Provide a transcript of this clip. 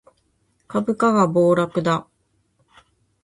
株価が暴落だ